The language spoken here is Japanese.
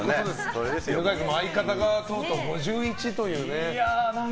犬飼君も相方がとうとう５１というね。